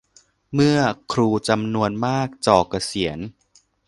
เมื่อครูจำนวนมากจ่อเกษียณ